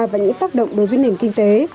và những tác động đối với nền kinh tế